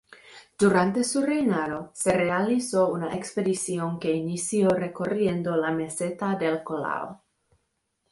Durante su reinado, se realizó una expedición que inició recorriendo la meseta del Collao.